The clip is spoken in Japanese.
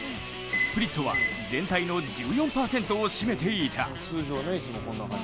スプリットは全体の１４％を占めていた。